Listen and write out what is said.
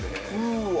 うわ。